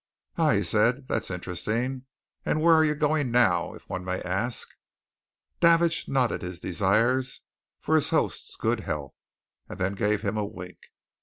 "Ah!" he said. "That's interesting! And where are you going, now if one may ask?" Davidge nodded his desires for his host's good health, and then gave him a wink.